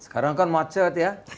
kalau dulu ke lampung saya